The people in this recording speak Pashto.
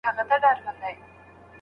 د بچیو له ماتمه ژړېدله